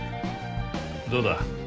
どうだ？